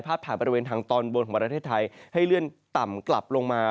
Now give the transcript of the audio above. ผ่านบริเวณทางตอนบนของประเทศไทยให้เลื่อนต่ำกลับลงมา